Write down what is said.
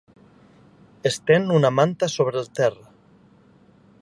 Estén una manta sobre el terra.